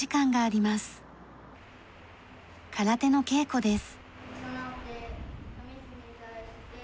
空手の稽古です。